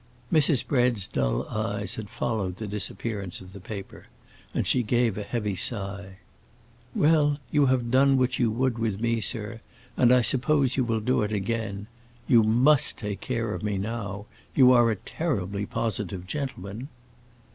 Mrs. Bread's dull eyes had followed the disappearance of the paper, and she gave a heavy sigh. "Well, you have done what you would with me, sir, and I suppose you will do it again. You must take care of me now. You are a terribly positive gentleman."